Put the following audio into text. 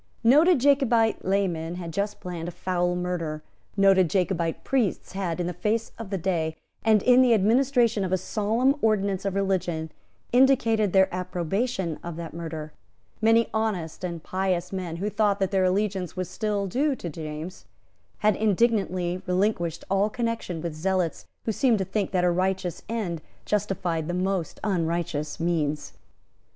Noted Jacobite laymen had just planned a foul murder. Noted Jacobite priests had, in the face of day, and in the administration of a solemn ordinance of religion, indicated their approbation of that murder. Many honest and pious men, who thought that their allegiance was still due to James, had indignantly relinquished all connection with zealots who seemed to think that a righteous end justified the most unrighteous means.